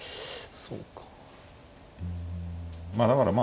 そうか。